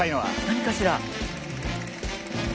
何かしら？